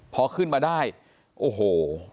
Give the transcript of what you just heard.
พอขึ้นมาได้โอ้โห